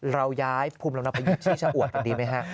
เราย้ายภูมิลำเนาไปอยู่ที่ชะอวดกันดีไหมฮะ